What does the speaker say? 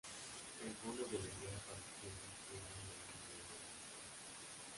El fondo de la idea parecía inspirado en "El hombre de mundo".